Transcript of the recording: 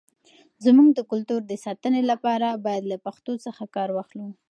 زموږ د کلتور د ساتنې لپاره، باید له پښتو څخه کار واخلو.